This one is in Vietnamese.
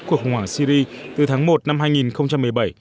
cuộc khủng hoảng syri từ tháng một năm hai nghìn một mươi bảy